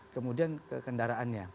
kemudian ke kendaraannya